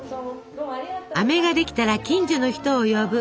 あめができたら近所の人を呼ぶ。